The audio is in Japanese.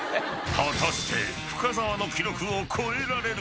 ［果たして深澤の記録を超えられるか］